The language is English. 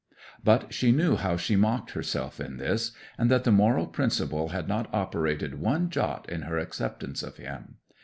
But she knew how she mocked herself in this, and that the moral principle had not operated one jot in her acceptance of him.